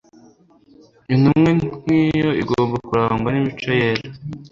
Intumwa nk'iyo igomba kurangwa n'imico yera.